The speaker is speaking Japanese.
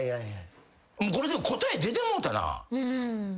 これ答え出てもうたな。